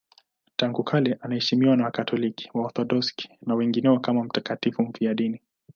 Tangu kale anaheshimiwa na Wakatoliki, Waorthodoksi na wengineo kama mtakatifu mfiadini.